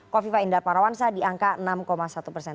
kofifa indar parawansa di angka enam satu persen